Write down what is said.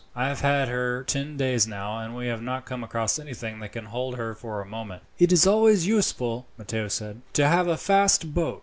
I have had her ten days now, and we have not come across anything that can hold her for a moment." "It is always useful," Matteo said, "to have a fast boat.